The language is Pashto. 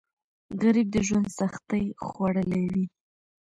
غریب د ژوند سختۍ خوړلي وي